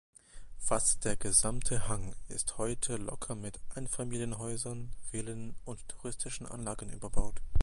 Fast der gesamte Hang ist heute locker mit Einfamilienhäusern, Villen und touristischen Anlagen überbaut.